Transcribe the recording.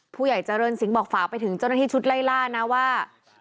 ผู้ใหญ่เจริญสิงห์บอกฝากไปถึงเจ้าหน้าที่ชุดไล่ล่านะว่า